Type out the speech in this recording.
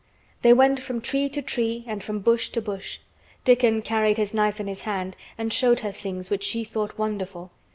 They went from tree to tree and from bush to bush. Dickon carried his knife in his hand and showed her things which she thought wonderful.